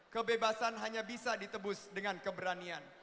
kebebasan hanya bisa ditebus dengan keberanian